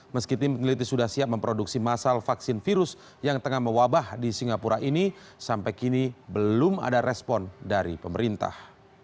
meski tim peneliti sudah siap memproduksi masal vaksin virus yang tengah mewabah di singapura ini sampai kini belum ada respon dari pemerintah